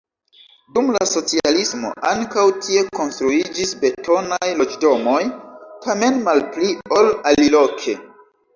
Dum la socialismo ankaŭ tie konstruiĝis betonaj loĝdomoj, tamen malpli, ol aliloke.